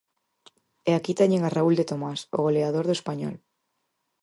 E aquí teñen a Raúl De Tomás, o goleador do Español.